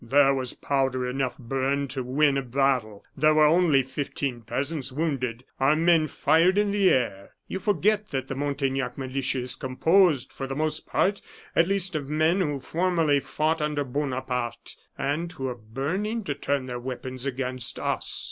There was powder enough burned to win a battle; there were only fifteen peasants wounded. Our men fired in the air. You forget that the Montaignac militia is composed, for the most part, at least of men who formerly fought under Bonaparte, and who are burning to turn their weapons against us."